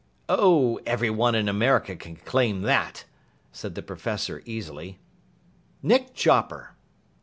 "Oh, everyone in America can claim that!" said the Professor easily. "Nick Chopper!"